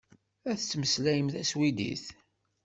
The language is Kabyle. Ad temmeslayem taswidit.